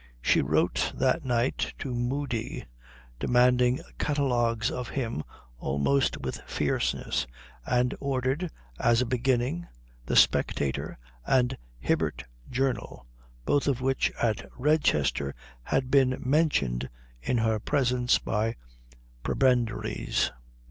She wrote that night to Mudie demanding catalogues of him almost with fierceness, and ordered as a beginning the Spectator and Hibbert Journal, both of which at Redchester had been mentioned in her presence by prebendaries.